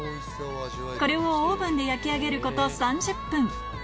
これをオーブンで焼き上げること３０分